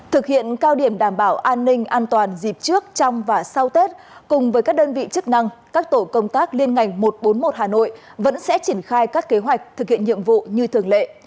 thực hiện cao điểm đảm bảo an ninh an toàn dịp trước trong và sau tết cùng với các đơn vị chức năng các tổ công tác liên ngành một trăm bốn mươi một hà nội vẫn sẽ triển khai các kế hoạch thực hiện nhiệm vụ như thường lệ